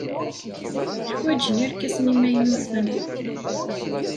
Ḥwajen irkasen imaynuten.